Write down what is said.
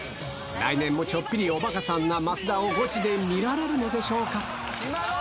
来年もちょっぴりおバカさんな増田をゴチで見られるのでしょうか？